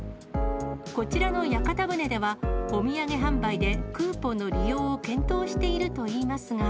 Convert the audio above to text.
こちらの屋形船では、お土産販売でクーポンの利用を検討しているといいますが。